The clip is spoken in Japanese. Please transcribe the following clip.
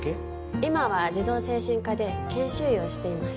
今は児童精神科で研修医をしています。